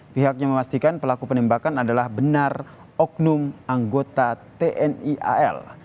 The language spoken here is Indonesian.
pihaknya memastikan pelaku penembakan adalah benar oknum anggota tni al